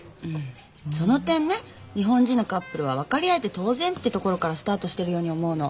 その点ね日本人のカップルは分かり合えて当然ってところからスタートしてるように思うの。